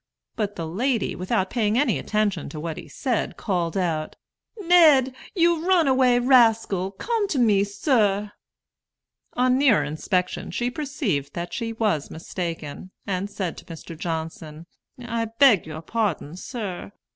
But the lady, without paying any attention to what he said, called out, "Ned, you runaway rascal, come to me, sir." On nearer inspection she perceived that she was mistaken, and said to Mr. Johnson: "I beg your pardon, sir.